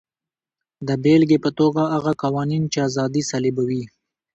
د بېلګې په توګه هغه قوانین چې ازادي سلبوي.